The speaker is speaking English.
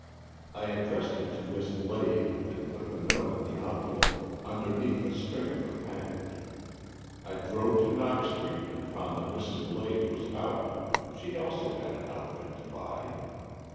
I addressed it to Miss Lade and put the note in the envelope underneath the string of the pack age. I drove to Knox Street and found that Mrs. Lade was out; she also had an outfit to buy.